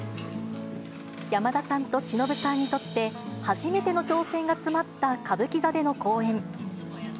山田さんとしのぶさんにとって、初めての挑戦が詰まった歌舞伎座での公演。